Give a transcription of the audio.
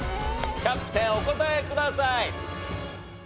キャプテンお答えください。